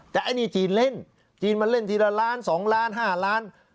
แต่ไอ้นี่จีนเล่นจีนมันเล่นทีละล้าน๒ล้าน๕ล้าน